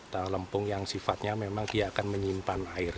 tanah lempung yang sifatnya memang dia akan menyimpan air